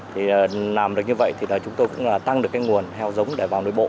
thì làm được như vậy thì là chúng tôi cũng tăng được cái nguồn heo giống để vào nội bộ